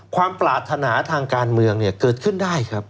ความปรารถนาทางการเมืองเกิดขึ้นได้